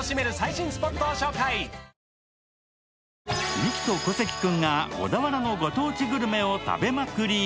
ミキと小関君が小田原のご当地グルメを食べまくり。